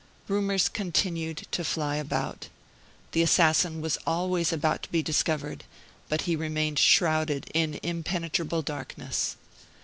Rumors continued to fly about. The assassin was always about to be discovered; but he remained shrouded in impenetrable darkness.